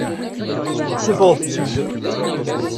Seffeɣ-itt-id.